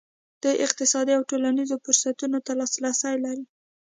دوی اقتصادي او ټولنیزو فرصتونو ته لاسرسی لري.